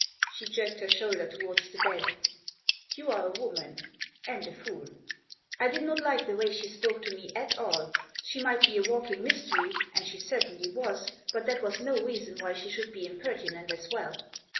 She jerked her shoulder towards the bed. " You are a woman ; and a fool." I did not like the way she spoke to me at all. She might be a walking mystery — and she certainly was — but that was no reason why she should be impertinent as well.